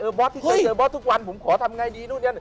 เออบอสที่เจอบอสทุกวันผมขอทำไงดีนู้น